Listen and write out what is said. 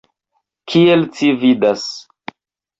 Kiel ci vidas.